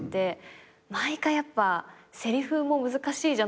毎回やっぱせりふも難しいじゃないですか。